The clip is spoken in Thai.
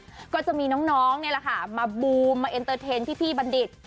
แล้วก็จะมีน้องนี่แหละค่ะมาบูมมาเอ็นเตอร์เทนต์พี่บัณฑิต